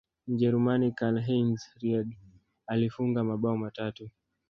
mjerumani karlheinz riedle alifunga mabao matatu